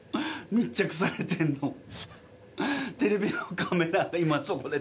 密着されてるのテレビのカメラで。